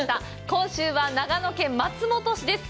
今週は長野県松本市です。